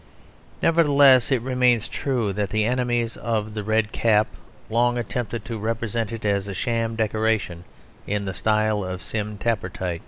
Nevertheless it remains true that the enemies of the red cap long attempted to represent it as a sham decoration in the style of Sim Tappertit.